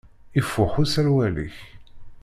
Ifuḥ userwal-ik.